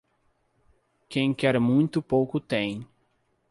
Quem quer muito pouco tem.